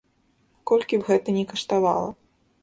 Колькі б гэта ні каштавала.